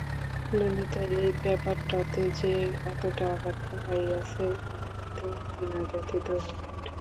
ললিতা এই ব্যাপারটাতে যে এতটা আঘাত পাইয়াছে ইহাতে বিনয় ব্যথিত হইয়া উঠিল।